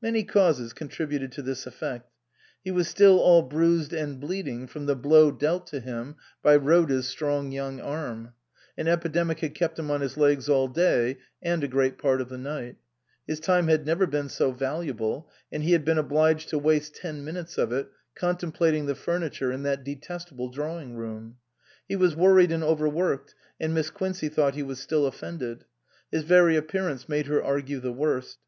Many causes contributed to this effect ; he was still all bruised and bleeding from the blow dealt to 299 SUPERSEDED him by Rhoda's strong young arm ; an epidemic had kept him on his legs all day and a great part of the night ; his time had never been so valuable, and he had been obliged to waste ten minutes of it contemplating the furniture in that detestable drawing room. He was worried and overworked, and Miss Quincey thought he was still offended ; his very appearance made her argue the worst.